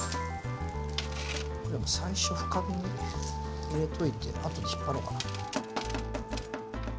これ最初深めに入れといて後で引っ張ろうかな。